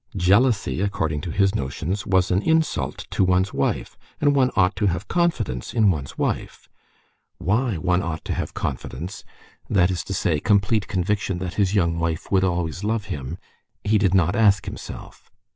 Jealousy according to his notions was an insult to one's wife, and one ought to have confidence in one's wife. Why one ought to have confidence—that is to say, complete conviction that his young wife would always love him—he did not ask himself.